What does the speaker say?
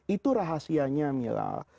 itu rahasianya milal